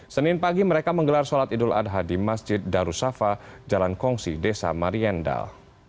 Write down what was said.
senin pagi mereka menggelar sholat idul adha di masjid darussafa jalan kongsi desa mariendal